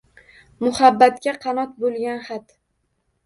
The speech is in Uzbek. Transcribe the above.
Muhabbatga qanot bo’lgan xat…